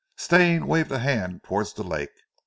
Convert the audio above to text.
Stane waved a hand towards the lake.